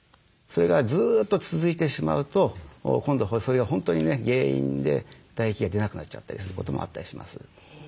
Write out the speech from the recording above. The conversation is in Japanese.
それがずっと続いてしまうと今度それが本当にね原因で唾液が出なくなっちゃったりすることもあったりします。